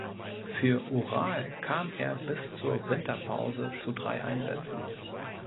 Für Ural kam er bis zur Winterpause zu drei Einsätzen.